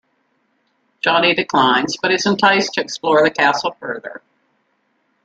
Johnny declines, but is enticed to explore the castle further.